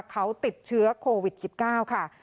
เขาติดเชื้อโควิด๑๙ค่ะ